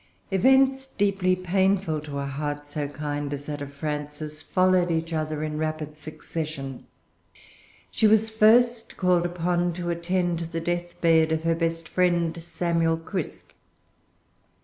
Events deeply painful to a heart so kind as that of Frances followed each other in rapid succession. She was first called upon to attend the deathbed of her best friend, Samuel Crisp.